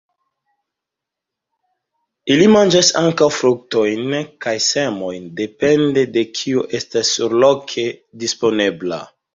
Ili manĝas ankaŭ fruktojn kaj semojn, depende de kio estas surloke disponebla.